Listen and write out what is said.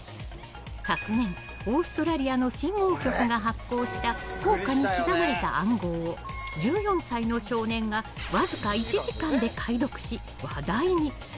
昨年、オーストラリアの信号局が発行した硬貨に刻まれた暗号を１４歳の少年がわずか１時間で解読し話題に。